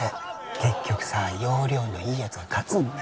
結局さ要領のいいやつが勝つんだよ